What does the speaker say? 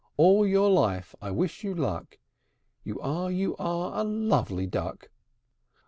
All your life I wish you luck! You are, you are, a lovely duck!